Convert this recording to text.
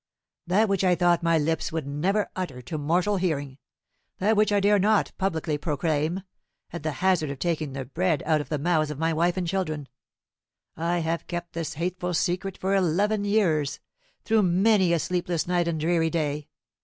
"That which I thought my lips would never utter to mortal hearing that which I dare not publicly proclaim, at the hazard of taking the bread out of the mouths of my wife and children. I have kept this hateful secret for eleven years through many a sleepless night and dreary day.